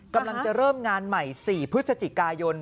กำลังจะเริ่มงานใหม่๔พฤศจิกายน